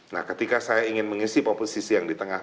nah ketika saya ingin mengisi posisi yang di tengah